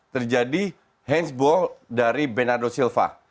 terjadi hands ball dari bernardo silva